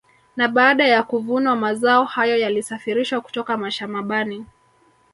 Na baada ya kuvunwa mazao hayo yalisafirishwa kutoka mashamabani